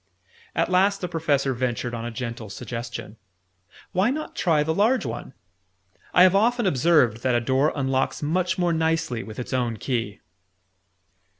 At last the Professor ventured on a gentle suggestion. "Why not try the large one? I have often observed that a door unlocks much more nicely with its own key."